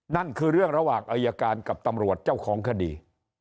นั่นคือเรื่องระหว่างอายการกับตำรวจเจ้าของคดี